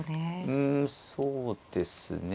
うんそうですね